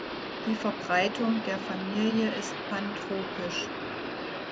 Die Verbreitung der Familie ist pantropisch.